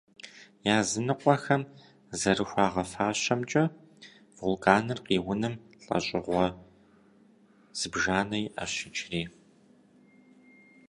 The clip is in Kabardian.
Языныкъуэхэм зэрыхуагъэфащэмкӏэ, вулканыр къиуным лӏэщӏыгъуэ зыбжанэ иӏэщ иджыри.